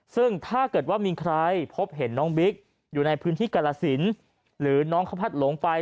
ซึ่งถ้าเกิดว่ามีใครพบเห็นน้องบิ๊กอยู่ในพื้นที่กรสินหรือน้องเขาพัดหลงไป